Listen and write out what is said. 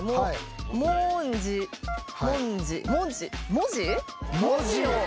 文字！